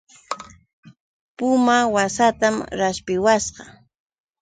Puma washaatam rapchiwasqa.